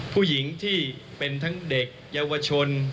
ผู้หญิงที่เป็นทั้งเด็กเยาวชน